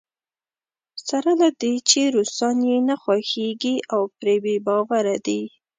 سره له دې چې روسان یې نه خوښېږي او پرې بې باوره دی.